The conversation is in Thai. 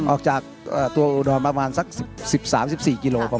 ออกจากตัวอุดรประมาณสัก๑๓๑๔กิโลกร